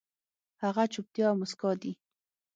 هغه چوپتيا او موسکا دي